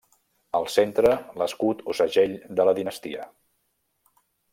Al centre l'escut o segell de la dinastia.